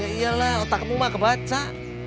ya iyalah otakmu mah kebaca